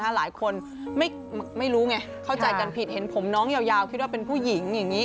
หลายคนไม่รู้ไงเข้าใจกันผิดเห็นผมน้องยาวคิดว่าเป็นผู้หญิงอย่างนี้